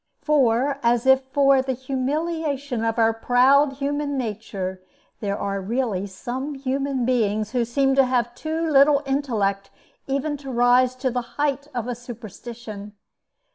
For, as if for the humiliation of our proud human nature, there are really some human beings who seem to have too little intellect even to rise to the height of a superstition.